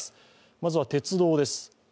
まずは鉄道です。